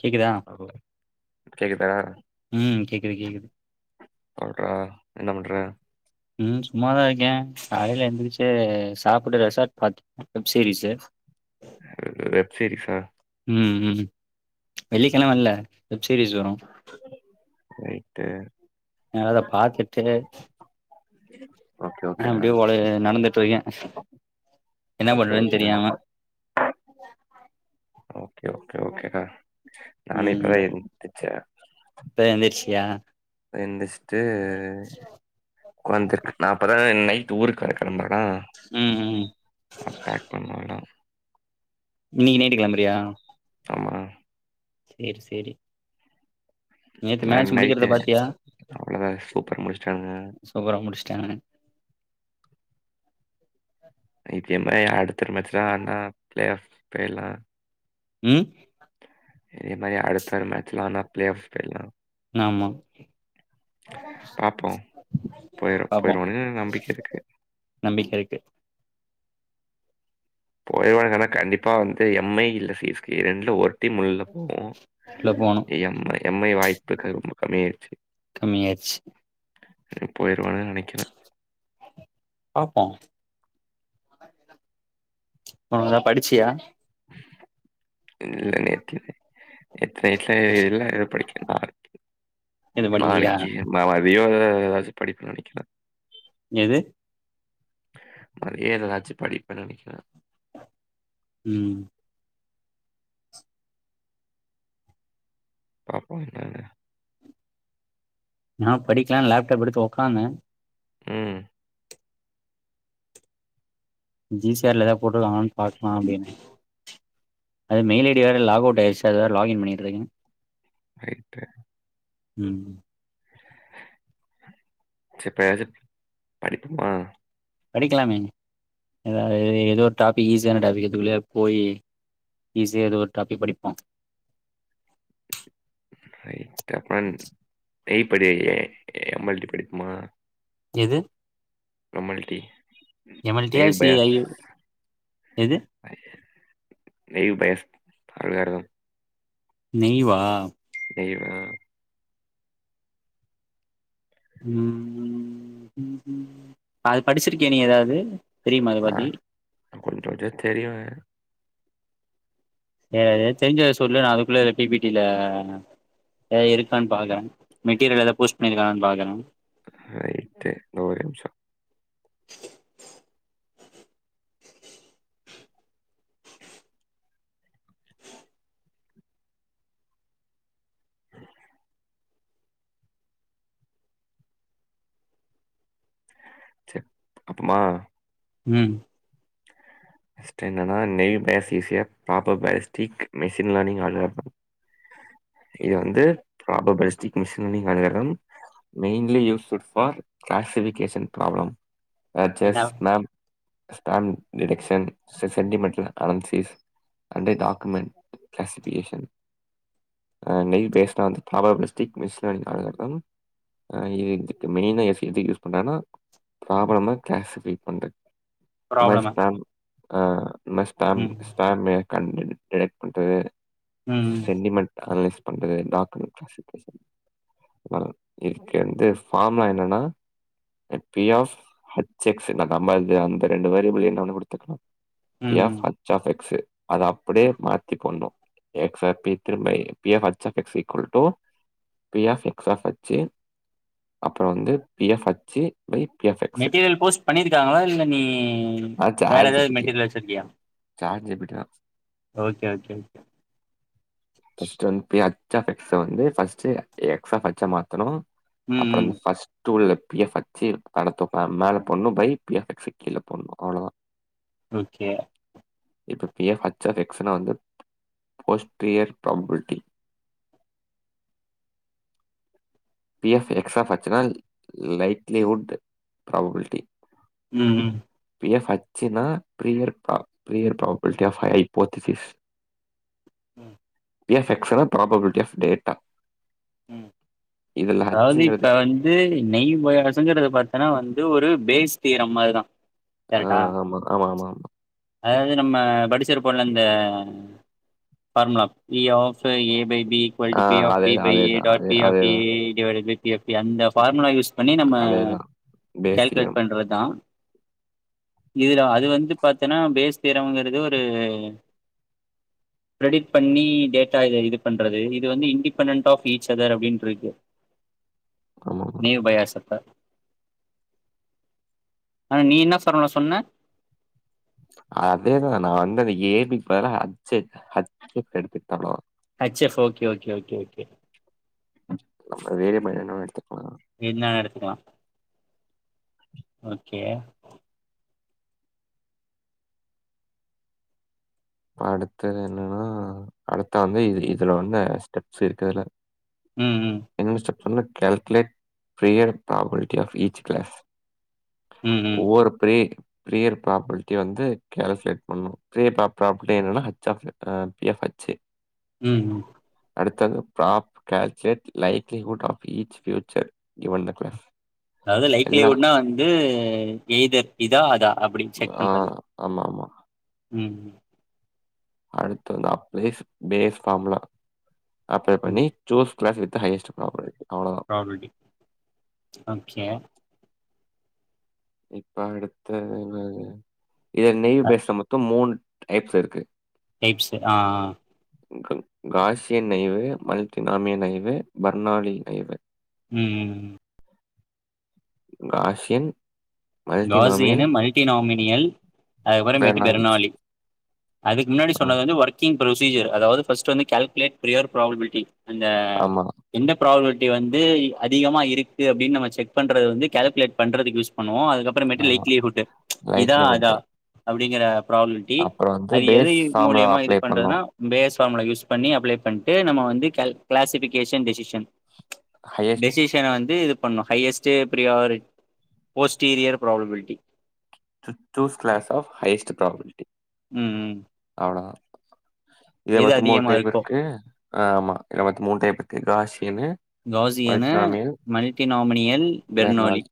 கேக்குதா? கேக்குதா ம் கேக்குது கேக்குது. சொல்றா என்ன பண்ற ம் சும்மாதா இருக்கே காலைல எந்திருந்துச்சி சாப்புடு ரெசார்ட் பாத்து வெப்சீரிஸ்சு வெப் சீரீஸ்ஸா ம் ம் வெள்ளிக்கிழம இல்ல வெப் சீரிஸ் வரு ரைட்டு நேரா அத பாத்துட்டு ஓகே ஓகேடா அப்டியே ஓலையில நடந்திட்டு இருக்கே என்ன ஓகே பண்றதுன் ஓகேடா தெரியாம ஓகே ஓகே ஓகேடா நானு இப்பதா எந்திரிச்சே இப்பதா எந்திரிச்சியா எந்திச்ட்டு உக்காந்துருக் நா இப்பதான நை ட்டு ஊருக்கு வேற கெளம்புனாறா ம் ம் அ பேக் பண்ண வாடா இன்னைக்கி நைட்டு கெளம்புறியா ஆமா சேர் சேரி நேத்து நாளைக் மேட்ச் முடிக்கிறத நைட்டு பாத்தியா? அவ்ளதா சூப்பர் முடிச்சட்டாங்க சூப்பரா முடிச்ட்டாங்க இப்ப இதே மாரி அடுத்த வர மேட்ச் ஆடுனா பிளே ஆஃப் போயிரலா உம் ஏன்னா ஏ அடுத்த மேட்ச்லா தா பிளே ஆஃப்ட் எல்லா ஆமா பாப்போ போயிர் பாப்போம். போயிருவோனு நம்பிக்க இருக்கு நம்பிக்க இருக்கு போயிருவோ இல்ல கண்டிப்பா வந்து எம்ஐ இல்ல சிஸ்கே ரெண்டுல ஒரு டீம் வெளில போகு உள்ள போணும். எம் எம்ஐ வாய்ப்பு ரொம்ப கம்மியாயிருச்சு கம்மி யாச்சு இனி போயிருவே நெனைக்கிறே பாப்போ மொதல படிச்சியா இல்லன் நெனக்கிறேன் நேத்து நைட்டுல எல்லா இது படிக்கிற மாரி இருக் இது படிக்கலயா நா அதிகங்க ஏதாச்சு படிப்பு நெனைக்கல என்ன அதிக ஏதாச்சு படிப்பே நெனைக்கிறே உம் பாப்பா வெளாட நா படிக்கலான் லேப்டாப் எடுத்து ஒக்காந்தே உம் ஜி சிஆர்ல ஏதாவ போட்ருக்காங்ளான் பாக்லா அப்டின்னு அது மெயில்ஐடி யா வே லாக்வுட் ஆயிடுச்சு அது வேற லாக்கின் பண்ணிட் இருக்கே நைட்டு உம் செட்டாச்சு படிப்புமா படிக்கலாமே ஏதோ ஒரு டாபிக் ஈஸியா டாபிக் எதுக்குள்ளயாது போயி ஈஸியாது ஒரு டாபிக் படிப்போ ன் டெஃபன் எய் படி ஏ எம்மல்ட்டி படிக்குமா எது எம் எல் டி எம்எல்டியா எய் பேஸ் சிஐயு எது ஐய எய் பேஸ் நல்லாருக்கூ லீவா டெய்வு அ உ ம் உம் அது படிச்சிருக்கியா நீ ஏதாவது தெரியுமா அத பத்தி கொஞ்சோ கொஞ்சோ தெரியுங்க ஏதே தெரிஞ்சத சொல்லு நா அதுக்குள்ள பி பட்டில எதா இருக்கான் பாக்குறே மெட்டீரியல் ஏத போஸ்ட் பண்ணிருக்காங்களான் பாக்குறே ரயிட்டு இந்தா ஒரு நிமிஷோ சேர் அப்பமா உம் ஃபஸ்ட் என்னனா நேவி பேசீசியா பாப்பர் பேஸ்டிக் மெஷின் லெனி்ங் அ லோன் உம் இது வந்து பாப்பர் பிளாஸ்டிக் மிஷினிங் அனுகிற mainly use for classification problem such as என்ன மேம் சன் டிடக்க்ஷன் அ ஸ் எ sentiment analysis and document classification அ நெய் பேஸ்னா அந்த பவர் விஸ்டிக் விஸ்டல் நாயகம் அ இதுக்கு மெயின்னா கேஸ் எதுக்கு யூஸ் பண்ணுறன்னா ப்ராப்ளம கேஷ் ஃபை பண்றக்கு இந்த மாறி ப்ராப்ளமா ஸ்டாம் அ இந்த மாறி ஸ்டாம் ம் ஸ்டாமு கண்டு டிடக்டக் பண்றது ம் சென்டிமெண்ட் அனலைஸ் பண்றது டாக்குமெண்ட் [unintelligible] [unintelligible] இக்கு வந்து ஃபார்ம்லா என்னன்னா அது பி ஆஃப் ஹச் எக்ஸ் அந்த மாறி அந்த ரெண்டு வேறியபுள்ளயு கண்டுபுடிச்சு எடுத்துக்கலா பி ம் ம் ஆஃப் ஹச் ஆஃப் எக்ஸ்சு அத அப்டியே மாத்தி போட்ணு எக்ஸ் ஆ பி திரும்ப P of H of X equal to P of X of H அப்றோ வந்து P of H wait P of X material post பண்ணியிருக்காங்களா இல்ல நீ வேற ஏதாவது சேட்ஜிபிட்டி மெட்டீரியல் வச்சிருக்கியா சேட்சிபிட்டிதா ஓக்கே ஓக்கே ஓக்கே [unintelligible] ஃப்ர்ஸ்ட் வந்து H of எக்ஸ்ச first X of ஹேச்சா மாத்தணு ம் அப்றோ ம் ஃபர்ஸ்ட் டூல்ல பிஎப் ஹச்சு அடுத்த பார்முலா மேல போட்ணு பை பி ஆஃப் எக்ஸ்சு கீழ போட்ணு அவ்ளதா ஓக்கே இப்ப பி ஆஃப் ஹக் ஆஃப் எக்ஸ்னா வந்து posterior probability P of X of ஹச்சுன்னா லைட்லிவுட் ப்ராப்பபிலிட்டி ம் ம் பி ஆஃப் ஹச்சின்னா prior prior probability of hypo திதிஸ் [unintelligible] ம் பி ஆஃப் எக்ஸ்ன்னா ப்ராபபில்டி ஆஃப் டேட்டா ம் இதுல அதாவது இப்ப ஹச்சுங்கிறது வந் து நெய்போய்சங்கிறது பாத்தன்னா வந்து ஒரு பேஸ் தீயரம் மாறிதா ஆ ஆமா ஆமா ஆமா ஆமா அதாவது நம்ம படிச்சிருப்போ இல்ல இந்த formula P of A by B ஆ இக்வல்டு பி ஆஃ பி அதேதான், பை ஏ அதேதான், டாட் அதே பி ஆஃப் ஏ அதேதான், divide by B of D அந்த ஃபார்முலா யூஸ் பண்ணி நம்ம அதேதான். Bayes calculate theorem. பண்றதுதா இதுல அது வந்து பாத்தன்னா பேஸ் தியரம்ங்கறது ஒரு [unintelligible] கிரெடிட் பண்ணி டேட்டாவ இது பண்றது இது வந்து இண்டடிபெண்டன்ட் ஆஃப் ஈச் அதர் அப்டின்னு இருக்கு ஆமா ஆமா நெய் பயாஸ் அப்ப ஆனா நீ என்ன சரவணா சொன்ன அதேதா நா வந்து அந்த ஏ பி க்கு பதிலா ஹச்சு ஹச் எஃப் எடுத்துகிட்டனோ H F okay okay okay okay நம்ம ஏரியா பாயிண்ட் என்ன வேனா எடுத்துக்கலா என்ன வேனா எடுத்துக்கலா ஓக்கே அடுத்தது என்னன்னா அடுத்த வந்து இது இதுல வந்து ஸ்டெப்ஸ் இருக்குதுல்ல ம் ம் என்னன்ன ஸ்டெப் சொன்ன கால்க்குலேட் பிரியர் ப்ராப்பபில்டி ஆஃப் இச் கிளாஸ் ம் ம் ஒவ்வொரு ப்ரே பிரியர் ப்ராபுல்ட்டிய வந்து கால்ஃப்லேட் பண்ணு ப்ரே பப் ப்ராப்புட்டே என்னன்னாப் H of ah D F H ம் ம் அடுத்தங்க prop calculate likelihood of each feature given நக்ளஸ் அதாவ்து லைக்லேவுட்னா வந்து எய்தர் இதா அதா அப்படின் செக் பண்றது ஆமா ஆமா ம் அடுத்து வந்து அப் லேஃப் பேஸ் ஃபார்முலா அப்ளை பண்ணி ம் ஜோஸ் க்ளாஸ் வித்த ஹையஸ்ட் ப்ராபட் அவ்ளதா ப்ராபட்டி ஓகே இப்ப அடுத்த இன்னாது இத நெய் பேஸ்ல மொத்து மூணு டைப்ஸ இருக்கு டைப்ஸு ஆஆ அங்கள் Gaussian naive multinomial naive Bernoulli naive ம்ம்ம் காஷியன் காஜியன்னு மல்டி நாமினியல் அத்பறமேட்டு பெர்னாலி. பெற்னாளி அதுக் முன்னாடி ஆம். சொன்னது வந்து வர்கிங் ப்ரோசீஜர் அதாவ்து ஃபஸ்ட் வந்து கால்குலேட் ப்ரியார் ப்ராபபில்ட்டி இந்த ஆமா, எந்த ப்ராபபல்ட்டி வந்து அதிகமா இருக்கு அப்டின் நம்ம செக் பண்றது வந்து கால்குலேட் பண்ணுறதுக் யூஸ் பண்ணுவோ அதுக்கப் அப்பறமேட்டு ஆமா. லேக்லியே ஹுட்டு இதா லைக்லிஹுட் அதா டைப். அப்டிங்கறப் ப்ராபலிட்டி அப்புறம் வந்து அது பேஸ் எதுஇ ஃபார்முலா மூலியமா இது அப்ளை பண்றதுனா பண்ணோம். பேஸ் ஃபாமுலா யூஸ் பண்ணி அப்ளை பண்ட்டு நம்ம வந்து கல் க்ளாசிஃபிகேஷன் டெசிஷன் ஹையஸ்ட் டெசிஷன வந்து இது பண்ணு ஹையஸ்ட்டு ப்ரியாரி போஸ்டீரியர் ப்ராபபல்ட்டி ச்சு those class of highest probability ம்ம் அவ்ள தா இத வத்து மூண் அதிகமா டைப் இருக்கோ இர்க்கு அ ஆமா இத வத் மூண் டைப் இக்கு காசியன்னு காஜியன்னு மல்டிநாமினியல் பெர்னாலி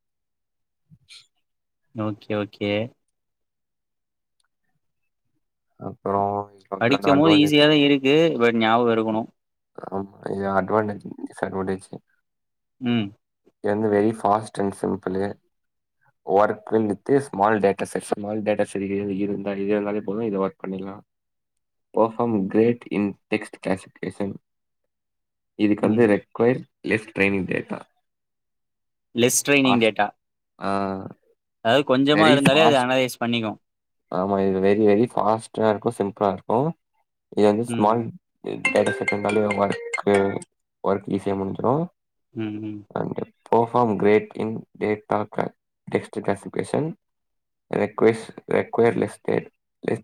ஓகே ஓகே அப்புறோ அடிக்கும் போது ஈஸியாதா இருக்கு பட் ஞாபகோ இருக்குணு ஆம் ஐயா அட்னவான்டேஜ்‌ஜன் டிஸ்அட்வான்டேஜ்ஜு ம் எந்து very fast and simple work நித்திஸ் மால் டேட்டாசெஸ் ஸ்மாள் டேட்டா சே இரு இருந்தாலே இது வந்தாலே போது இது வர்க் பண்ணிக்லா perform great in text classification இதுக்கு ம் வந்து ரெட்க்வ்ய்ர் less training data less training fast data அதாவ் கொஞ்சமாக வெரி இருந்தாலே அது ஃபாஸ்ட் அனலைஸ் பண்ணிக்கு ஆமா இது வெரி வெரி ஃபாஸ்ட்டா இருக்கு சிம்பிளா இருக்கு இது வந்து ம் ஸ்மால் எ தாடு செகண்டாலே அவ் வர்க்கு வர்க் ஈஸியா முடிஞ்சிரு ம்ம் அங்கே பர்ஃபாம் க்ரேட் இன் வந்து டேட்டா க்ல டெஸ்ட்டு க்ளாஸிஃபிக்கேஷன் ரெக்வஸ்ட் ரெவர்லிஸ்டேட்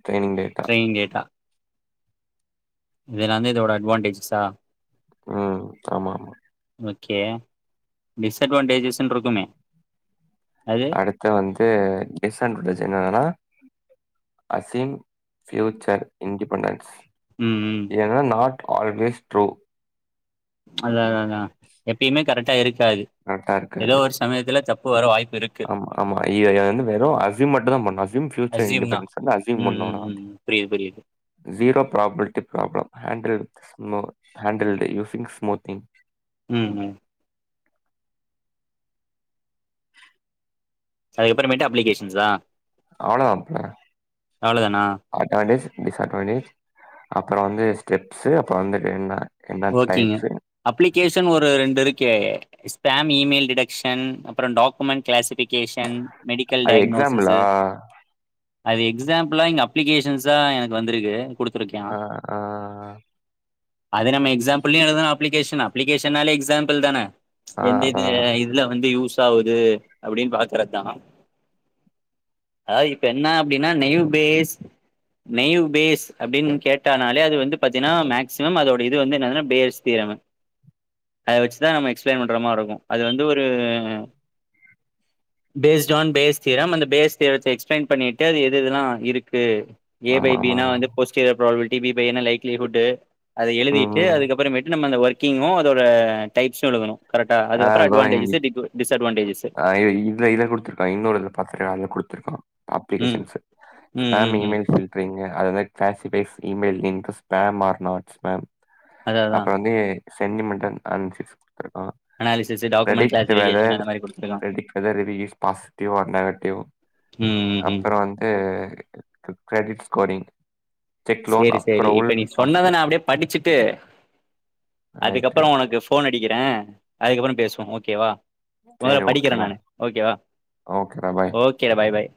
ட்ரைனிங் டே எ கேட்டா இதுலாந்தா இதோட அட்ன்வான்டேஜஸா ம் ஆமா ஓகே டிஸ்அட்வான்டேஜஸ்ன் இருக்குமே அது இப்ப வந்து டிஸ்அட்வான்டேஜ் என்னனா அசீம் ஃபியூச்சர் இண்டிபெண்டன்ஸ் ம் ம் ஏன்னா நாட் ஆல்வேஸ் ட்ரூ அத அத அதா எப்பயுமே கரெக்டா இருக்காது கரெக்டா ஏதோ இருக்காது ஒரு சமயத்துல தப்பு வர வாய்ப்பு இருக் ஆமா ஆமா இது வந்து வெறு அசீம் மட்டு பண்ணு அசீம் ஃயூச்சர் இண்டிபெண்டன்ஸ் வந்து அசீம் பண்ணுனா புரிது புரிது zero property problem hand writ with ஸ்மூ ஹாண்ட் ரைடிங் யூசிங் ஸ்மூத்திங் ம் ம் [inaudible] அதுக்கப்புறமேட்டு அப்ளிகேஷன் சா அவளோ அப்புல அவ்ளோதானா அட்வான்டேஜ் டிஸ்அட்வான்டேஜ் அப்பற வந்து ஸ்டெப்ஸ்சு அப்பறோ வந்துட்டு என்ன என்ன ஓகேங்க டைப்ஸு அப்ளிகேஷன் ஒரு ரெண்டு இருக்கே ஸ்டம் இமெயில் டிடக்க்ஷன் அப்பறோ டாக்குமெண்ட் கிளாசிபிக் கேஷன் மெடிக்கல் அது எக்ஸாம்பிளா? டைக்னோசிஸ்ஸு அது எக்ஸாம்பிளா இங்க அப்ளிகேஷன்ஸா எனக்கு வந்துருக்கு குடுத்துருக்கா ஆ ஆ அது நம்ம எக்ஸாம்பிளயு எழுதலா அப்லிகேஷன் அப்ளிகேஷனா லே எக்ஸாம்பிள் தான ஆ எந்த அதா இது இதுல வந்து யூஸ் ஆவுது அப்படின்னு பாக்குறதா அ இப்ப என்ன அப்படின்னா நெயுபேஸ் நெயு பேஸ் அப்படின்னு கேட்டனாலே அது வந்து பாத்தீன்னா மேக்சிமம் அதோட இது வந்து என்ன பேர்ஸ் தரியவ அத வச்சு தா நம்ம எக்ஸ்பிளைன் பண்ற மாரு இருக்கு அது வந்து ஒரு [inaudible] பேஸ்ட்டு ஆன் பேஸ் தீயரம் அந்த பேஸ் தீயரத்த எக்ஸ்பிளைன் பண்ணிட்டு அது எதுதெல்லா இருக்கு ஏ பை ஆமா பி ஆமா னா ஆமா. வந்துபோஸ்ட் ப்ராபல்லி பி பைனா லைக்லி ஹுட்டு அத எழுதிட்டு ம். அதுக்கப்பறோ விட்டு நம்ம அந்த ஒர்கிங்கூ அதோட டைப்சு எழுதனு கரெக்டா ஆ அது அப்பறோ அட்வான்டேஜ்ஸு டி கோ டிஸ் அட்வான்டேஜஸ் அய்யயோ இத இத குடுத்ருக்கா இன்னொருல பாத்திர அதல குடுத்துருக்கா ம் அப்ளிகேஷன்ஸ்ஸு ம் ஸ்பாம் ம் ம் இமெல் பில் ட்ரீங்க அதுல classifies emails in the spam or not spam அதா அதா அப்பறோ வந்து சென்டி மென்டா அசிஸ் குடுத்ருக்கா அனாலிஸிஸ் டாக்குெண்ட் க்ளாசிபிக்கேசன் அந்த மாதி குடுத்துரு பேடிக் வந்து ரெடிகேஸ் பாஸ்டிவ் ஆர் நெகட்டிவ் ம் ம் ம் அப்பற வந்து [unintelligible] ஸ்கோரிங் செக் லோன் செரி செரி அப்ரூவல் இப்ப நீ சொன்னத நா பாசிபிலிட்டி அப்படியே படிச்சுட்டு ரைட்டு. அதுக்கப்பறோ உனக்கு ஃபோனடிக்கிறே அதுக்கப்பறோ பேசுவோ ஓகேவா மொதல சரி படிக்கிறே ஓகேடா. நானு ஓகேவா ஓகேடா. பாய். ஓகேட பாய் பாய்